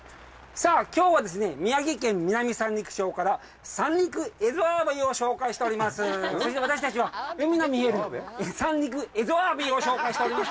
さあ、きょうはですね、宮城県南三陸町から三陸蝦夷アワビを紹介しております。